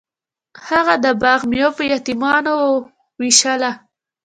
هغه د باغ میوه په یتیمانو ویشله.